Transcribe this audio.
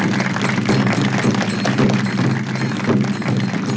ยกครับ